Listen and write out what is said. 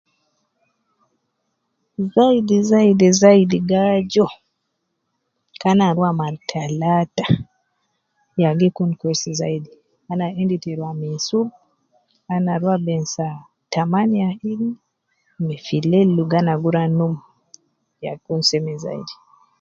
Zaidi zaidi zaidi gi aajuwo kaana ruwa mara talaata, ya gi kun kwesi zaidi. Ana endi ta ruwa minsub ana ruwa ben saa tamaniya ini me fileil logo ana gu ruwa numu ya bi Kun seme zaidi.